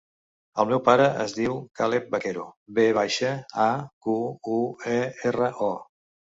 El meu pare es diu Caleb Vaquero: ve baixa, a, cu, u, e, erra, o.